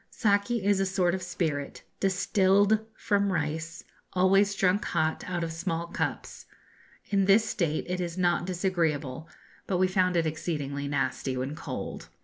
Saki is a sort of spirit, distilled from rice, always drunk hot, out of small cups. In this state it is not disagreeable, but we found it exceedingly nasty when cold.